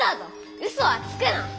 うそはつくな！